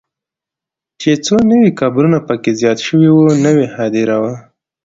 چې څو نوي قبرونه به پکې زیات شوي وو، نوې هدیره وه.